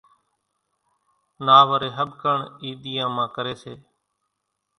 نا وري ۿٻڪڻ اِي ۮيان مان ڪري سي۔